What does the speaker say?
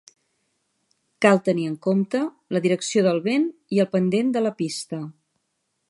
Cal tenir en compte la direcció del vent i el pendent de la pista.